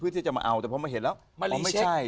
เพื่อที่จะมาเอาแต่พอไม่เห็นแล้วไม่ใช่